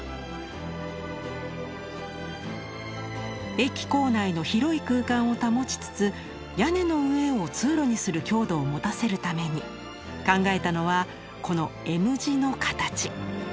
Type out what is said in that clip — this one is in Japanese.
駅構内の広い空間を保ちつつ屋根の上を通路にする強度を持たせるために考えたのはこのＭ字の形。